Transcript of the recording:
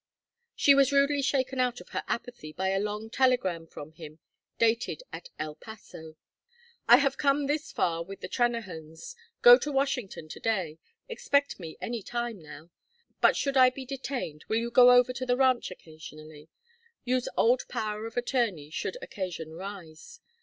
She was rudely shaken out of her apathy by a long telegram from him, dated at El Paso: "I have come this far with the Trennahans. Go on to Washington to day. Expect me any time now. But should I be detained will you go over to the ranch occasionally? Use old power of attorney should occasion arise.